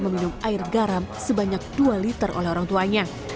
meminum air garam sebanyak dua liter oleh orang tuanya